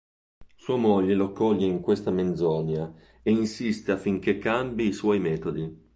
Sua moglie lo coglie in questa menzogna e insiste affinché cambi i suoi metodi.